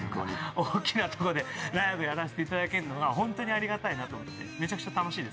大きなとこでライブやらせていただけるのがホントにありがたいなと思ってめちゃくちゃ楽しいですね。